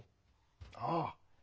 ああ。